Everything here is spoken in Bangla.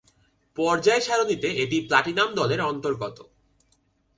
পর্যায় সারণীতে এটি প্লাটিনাম দলের অন্তর্গত।